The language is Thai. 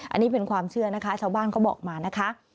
อันนี้เป็นความเชื่อนะคะชาวบ้านเขาบอกมานะคะ